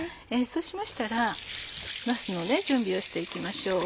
そうしましたらなすの準備をして行きましょう。